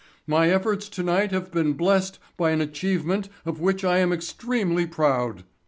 My efforts tonight have been blessed by an achievement of which I am extremely proud.